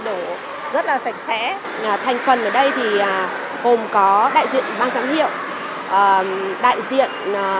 đun sôi sáng đi đổ rất là sạch sẽ là thành phần ở đây thì gồm có đại diện băng giám hiệu đại diện